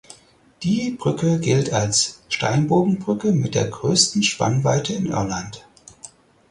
Die Brücke gilt als Steinbogenbrücke mit der größten Spannweite in Irland.